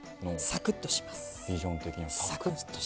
サクッとします。